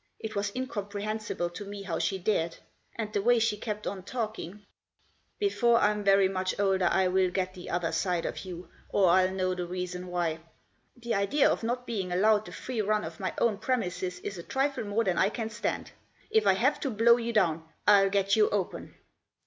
It was incomprehensible to me how she dared. And the way she kept on talking !" Before I'm very much older I will get the other side of you, or Fll know the reason why ; the idea of not being allowed the free run of my own premises is a trifle more than I can stand. If I have to blow you down, Til get you open."